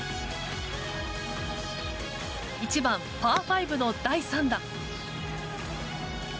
１番、パー５の第３打。